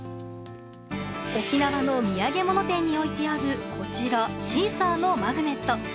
沖縄の土産物店に置いてあるこちら、シーサーのマグネット。